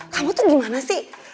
kamu tuh gimana sih